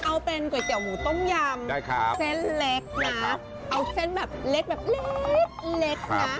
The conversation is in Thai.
เอาเป็นก๋วยเตี๋ยหมูต้มยำเส้นเล็กนะเอาเส้นแบบเล็กแบบเล็กนะ